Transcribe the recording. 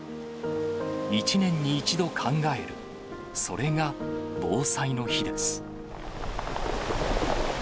１年に１度考える、それが防災の日です。